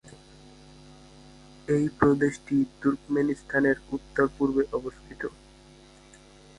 এই প্রদেশটি তুর্কমেনিস্তানের উত্তর-পূর্বে অবস্থিত।